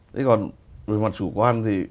thế còn về mặt chủ quan thì